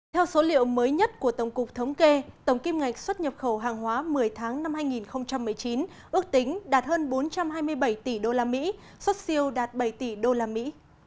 theo số liệu mới nhất của tổng cục thống kê tổng kim ngạch xuất nhập khẩu hàng hóa một mươi tháng năm hai nghìn một mươi chín ước tính đạt hơn bốn trăm hai mươi bảy tỷ đô la mỹ xuất siêu đạt bảy tỷ đô la mỹ